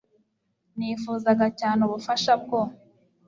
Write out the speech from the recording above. nifuzaga cyane ubufasha bwo